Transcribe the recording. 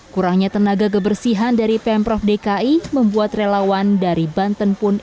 kurangnya tenaga kebersihan dari pemprov dki membuat relawan dari banten pun